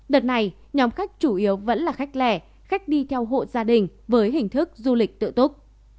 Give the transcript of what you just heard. đợt này nhóm khách chủ yếu vẫn là khách lẻ khách đi theo hộ gia đình với hình thức du lịch tự túc